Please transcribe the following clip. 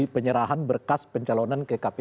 penyerahan berkas pencalonan ke kpu